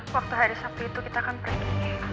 waktu hari sabri itu kita kan pergi